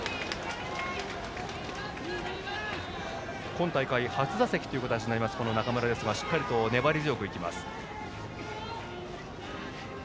今大会、初打席となります中村ですがしっかりと粘り強くいきます。